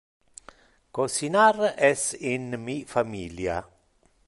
Cocinar es in mi familia.